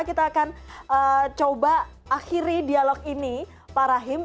kita akan coba akhiri dialog ini pak rahim